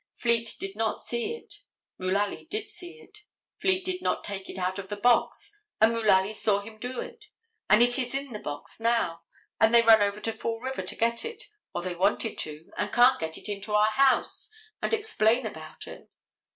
Fleet did not see it; Mullaly did see it. Fleet did not take it out of the box, and Mullaly saw him do it. And it is in the box now, and they run over to Fall River to get it, or they wanted to, and can't get into our house, and explain about it.